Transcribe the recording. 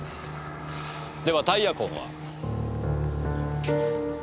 ではタイヤ痕は？